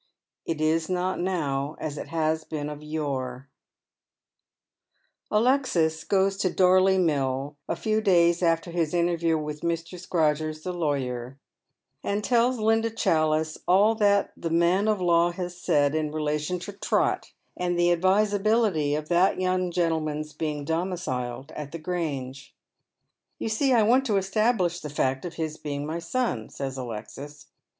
"rris NOT NOW as it has been of yore/' AtEXis goes to Dorley Mill a few days after his intei view with Mr. Scrodgera the lawyer, and tells Linda Challice all that tho man of law has said in relation to Trot, and the advisability of that young gentleman's being domiciled at the Grange. " You see I want to establish the fact of his being my son," says Atexis.